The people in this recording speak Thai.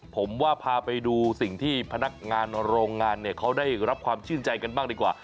ผมว่าพาไปดูสิ่งที่พนักงานโรงงานเนี่ยเขาได้รับความชื่นใจกันบ้างดีกว่า